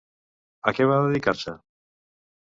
A què va dedicar-se?